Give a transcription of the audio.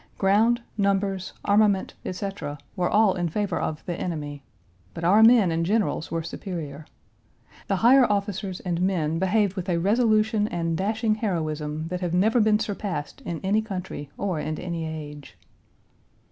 Ground, numbers, armament, etc., were all in favor of the enemy. But our men and generals were superior. The higher officers and men behaved with a resolution and dashing heroism that have never been surpassed in any country or in any age.